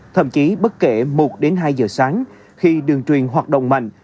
thậm chí bất kể một đến hai giờ sáng khi đường truyền hoạt động mạnh